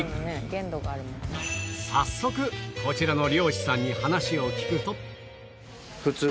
早速こちらの漁師さんに話を聞くと